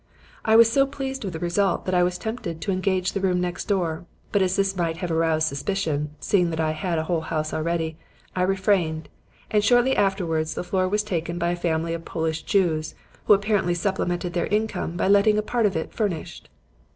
I was so pleased with the result that I was tempted to engage the room next door, but as this might have aroused suspicion seeing that I had a whole house already I refrained; and shortly afterwards the floor was taken by a family of Polish Jews, who apparently supplemented their income by letting part of it furnished.